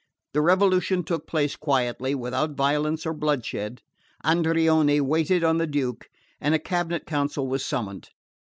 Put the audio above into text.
The revolution took place quietly, without violence or bloodshed. Andreoni waited on the Duke, and a cabinet council was summoned.